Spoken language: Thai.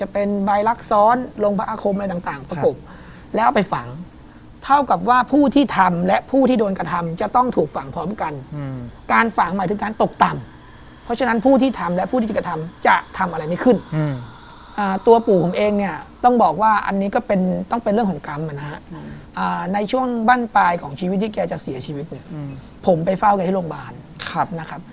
เป็นคำถามที่ผมอยากถามผมถามแทนคุณผู้ชมกันแล้วกันนะครับ